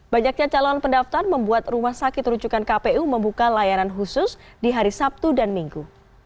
banyaknya calon pendaftar membuat rumah sakit rujukan kpu membuka layanan khusus di hari sabtu dan minggu